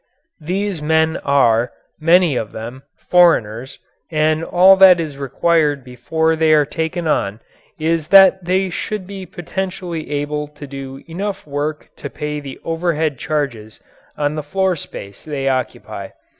These men are, many of them, foreigners, and all that is required before they are taken on is that they should be potentially able to do enough work to pay the overhead charges on the floor space they occupy.